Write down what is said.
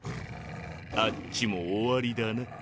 あっちも終わりだな。